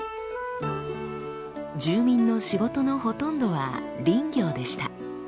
住民の仕事のほとんどは林業でした。